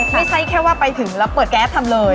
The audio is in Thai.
ไม่ใช่แค่ว่าไปถึงแล้วเปิดแก๊สทำเลย